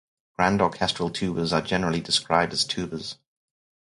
Grand orchestral tubas are generally described as tubas.